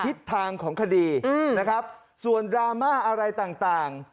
ทิศทางของคดีซ้วนดราม่าอะไรต่าง